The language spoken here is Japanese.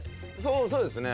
そうですね。